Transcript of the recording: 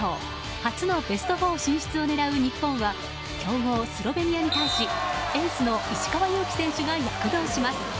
初のベスト４進出を狙う日本は強豪スロベニアに対しエースの石川祐希選手が躍動します。